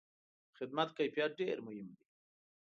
د خدمت کیفیت ډېر مهم دی.